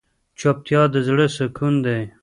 چوپتیا، د زړه سکون دی.